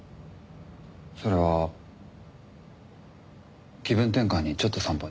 それは気分転換にちょっと散歩に。